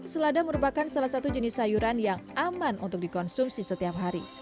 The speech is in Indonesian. selada merupakan salah satu jenis sayuran yang aman untuk dikonsumsi setiap hari